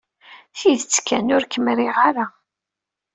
Tidet kan, ur kem-riɣ ara.